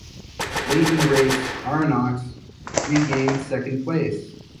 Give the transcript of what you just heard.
Late in the race Arnoux regained second place.